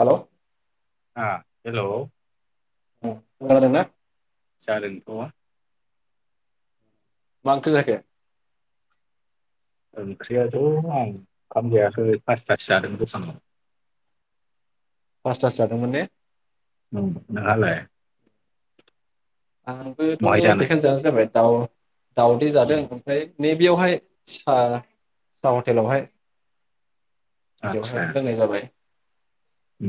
Hello हा hello खोनादोंना [inaudible] जादों अआ मांखो जाखो ओंख्रियाथ आं ओंखाम जायाखै फासथासो जादों दखानाव। पासथासो जादोंमोन ने। उ नोंहालाय आंबोथ बहाय जानाय बेखायनो जानो जाबाय औ दावदै जादों ओमफ्राय नैबेयावहाय सिफा सा हटेलावहाय बेवहाय लोंनाय जाबाय उ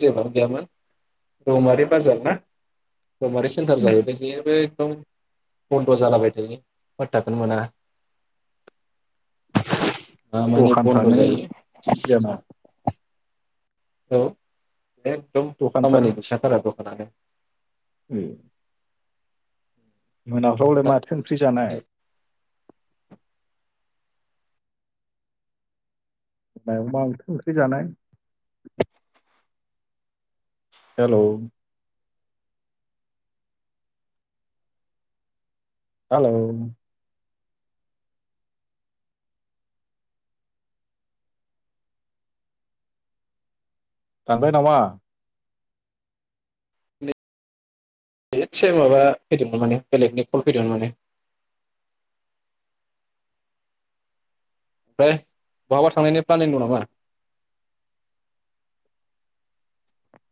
जेबोआनो गैयामोन रौमारि बाजार ना गमारि सेन्टार दखानफ्रानो जाहैबाय जेबो औ बन्द जालाबाय थायो पाटाखोनो मोना मा मानि बन्द' दखानफ्रानो जायो थिग जाना औ एखदम खामानि मोनखाथारा दखानानो उ मोनाफ्रावलाय माथो ओंख्रि जानाय मायाव मा ओंखि ओंख्रि जानाय हेल' हेल' थांबाय नामा एसे माबा फैदोंमोन माने बेलेगनि कल फैदोंमोन माने ओमफ्राय बहाबा थांनायनि प्लानिं दं नामा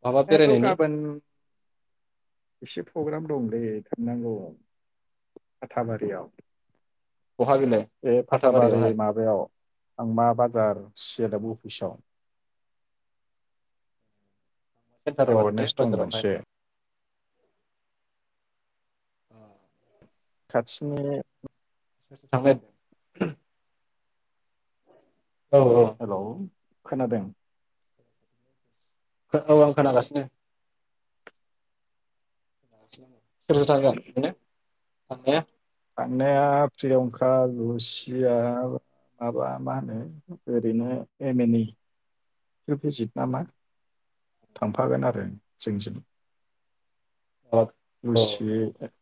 बहाबा आंथ' बेरायनायनि गाबोन एसे प्रग्राम दं लै थांनांगौ हाथाबारियाव बहा बेलाय बे फाथाबारियावहाय फाथाबारि माबायाव हांमा बाजार सियालाव ब बिसां सेन्थार आरो ने एवारनेस दं बाजारावहाय मोनसे अ खाथिनि सोर सोर थांबाय आरोदों हेल' खोनादों औ औ आं खोनागासिनो सोरजथा बिनो आ [inaudible] थांनाया प्रियंका लुसिया माबा मा होनो ओरैनो एम एन इ बिजेजित नामा थांफागोन आरो जोंजों अ औ [unintelligible]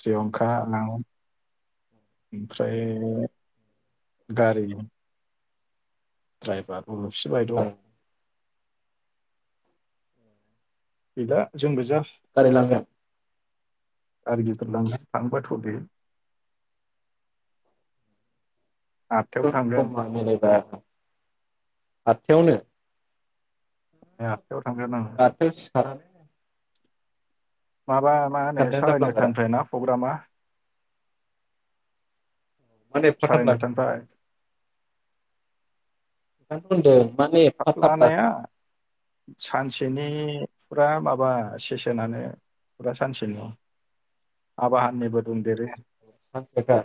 प्रियंका आं ओमफ्राय गारि द्राइबार [unintelligible] बायद' आं गैला जोंगोजा गारि लांगोन गारि गिदिर लांगोन थांबा थ'दे र समा मिलायबा आठथायावनो [unintelligible] [unintelligible] थांग्रोन आङो हा माबा मा होनो साराय जाफ्लांगारा नयथानिफ्राय ना प्रग्रामा मानो एफा थाब साराय लाखो नयथानिफ्राय [unintelligible] माने एफा थाब लाखो सानसेनि औ फुरा माबा सैसे माने फुरा सानसेनि आबाहाननिबो दुमदेरो औ सानसेखा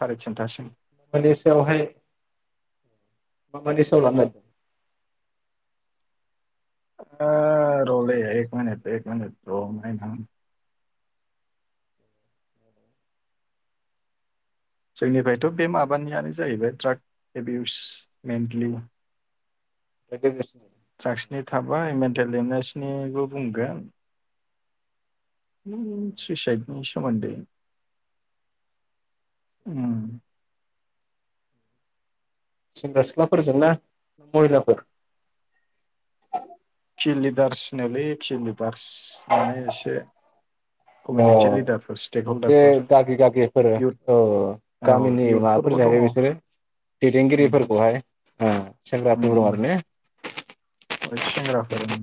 सारि थिन्थासिम माबादि सायावहाय माबादि सायाव लांङो ओ र'दै एक मिनिट एक नागिरदों मिनिट र' नायनां जोंनिफ्रायथ' बे माबानियानो जाहैबाय ड्राग एबिउस मेन्टलि [unintelligible] ड्राक्सनि थाबाय मेन्टेल इनहेसनिबो बुंगोन उम लोगोसे सुइसाइदनि सोमोन्दै उम सेंग्रा सिख्लाफोरजोंना ना महिलाफोर? खि लिदारसनोलै खिलि औ कमिउनिटि लिडारफोर स्टेक एसे हल्दारफोर गागि गागिफोर इउथ औ औ गामिनि माबाफोर इउथफोरबो दङ जाहैबाय उम बिसोरो उम दैदेनगिरिफोरखौहाय ओ सेंग्राफोरबो आरो ने? अह सेंग्राफोर उम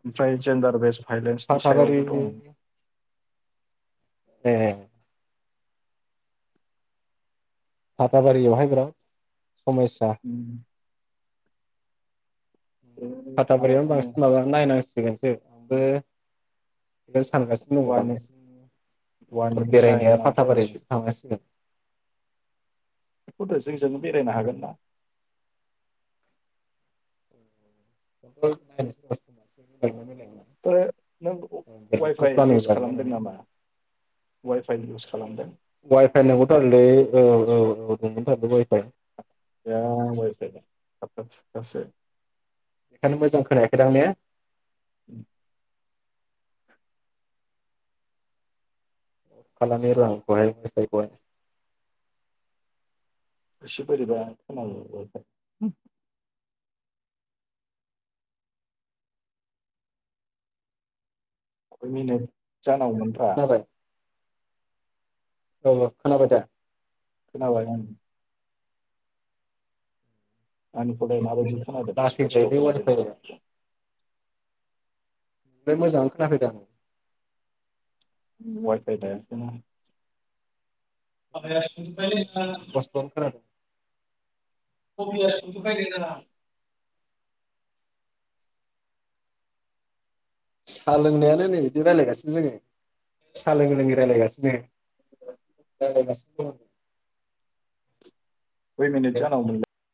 ओमफ्राय जेनडार वेस भाइलेन्सनि फाथाबारि सायावबो दङ। एह बाटाबारियावहाय बिराद समस्या उम, बे फाथाबारियाव माबाफोरनो बांसिन माबा नायनां गोनसो बो बेखौनो सानगासिनो दङ वारनिं बांसिन एबार वारनिं साइन बेरायनाया फाथा ओमफ्राय बारिजोंसो बेखौथ' थांनांसिगोन। थौदो जोंजोंनो बेरायनो हागोन ना बेखौनोथ' नायनोसैर' समासो मिलायोना मिलाया। ओ नों वाइफाइ प्लानिं इउस जाजोबनाय खालामदों नङा नामा? वाइफाइ इउस खालामदों? वाइफाइ नंखाथारगौलै औ औ गैया वाइफाइआ थाबथा थुबथासो बेखायनो मोजां खोनायाखैदां ने? उम। अफ खालामनिर' आं वाइफाइखौहाय इसि बोरैबा खोनायो वाइफाइ [unintelligible] जानांगौमोन रा। खोनाबाय औ खोनाबाय दा? खोनाबाय उम। आंनिखौलाय माबायदि खोनादों लासै स्पसथ' जायोलै खोनादोंना? नोंनिखौ मोजाङैनो खोनाफैदों आं वाइ-फाइ लायाखैना। [unintelligible] स्पस्थ'आनो खोनादों [unintelligible] सा लोंनायानो नै बिदि रायलायगासिनो जोङो साहा लों लोङै रायलायगासिनो रायायगासिनो दं। कै मिनिट जानांगौमोन